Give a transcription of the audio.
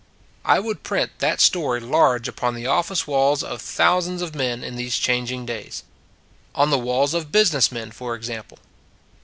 I would print that story large upon the office walls of thousands of men in these changing days. On the walls of business men, for ex ample.